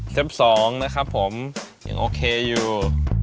๒นะครับผมยังโอเคอยู่